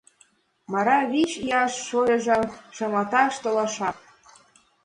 Мара вич ияш шольыжым шыматаш толаша: